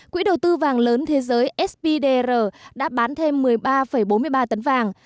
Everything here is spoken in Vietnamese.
quỹ đầu tư vàng lớn thế giới sbdr đã bán thêm một mươi ba bốn mươi ba tấn vàng